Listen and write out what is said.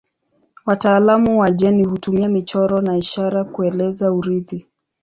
Wataalamu wa jeni hutumia michoro na ishara kueleza urithi.